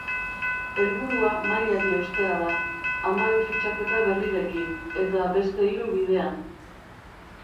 Helburua mailari eustea da, hamabi fitxaketa berrirekin, eta beste hiru bidean.